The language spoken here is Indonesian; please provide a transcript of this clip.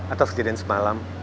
atas kejadian semalam